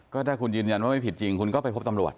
ก็ถ้าคุณยืนยันว่าไม่ผิดจริงคุณก็ไปพบตำรวจ